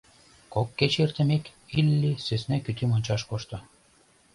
Кок кече эртымек, Илли сӧсна кӱтӱм ончаш кошто.